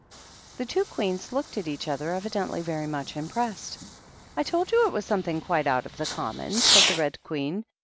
The two Queens looked at each other, evidently very much impressed. " I told you it was some thing quite out of the common," said the Red Queen.